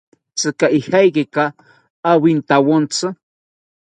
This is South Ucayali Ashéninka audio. ¿Tzika ijekaki awintawontzi?